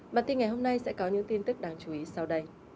bản tin ngày hôm nay sẽ có những tin tức đáng chú ý sau đây